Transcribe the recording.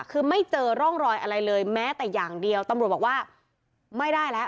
คือไม่เจอร่องรอยอะไรเลยแม้แต่อย่างเดียวตำรวจบอกว่าไม่ได้แล้ว